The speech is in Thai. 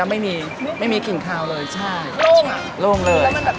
มันจะมีความกลมคลอมคล้ายคล้ายกระเทียม